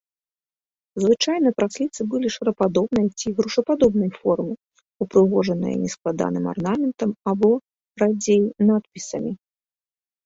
Звычайна прасліцы былі шарападобнай ці грушападобнай формы, упрыгожаныя нескладаным арнаментам або, радзей, надпісамі.